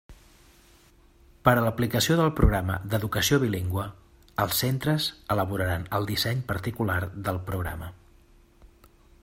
Per a l'aplicació del programa d'educació bilingüe, els centres elaboraran el disseny particular del programa.